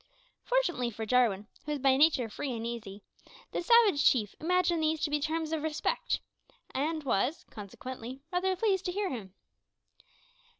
Fortunately for Jarwin, who was by nature free and easy, the savage chief imagined these to be terms of respect, and was, consequently, rather pleased to hear them.